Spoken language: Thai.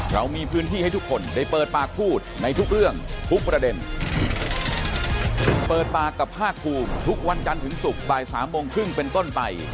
เรามีพื้นที่ให้ทุกคนได้เปิดปากพูดในทุกเรื่องทุกประเด็นเปิดปากกับภาคภูมิทุกวันจันทร์ถึงศุกร์บ่ายสามโมงครึ่งเป็นต้นไป